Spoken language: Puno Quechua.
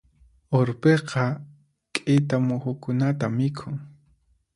Urpiqa k'ita muhukunata mikhun.